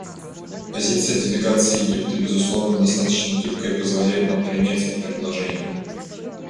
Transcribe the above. Позиция делегации Египта, безусловно, достаточно гибкая и позволяет нам принять это предложение.